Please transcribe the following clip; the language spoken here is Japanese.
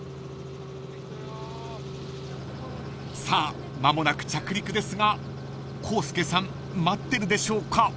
［さあ間もなく着陸ですが浩介さん待ってるでしょうか］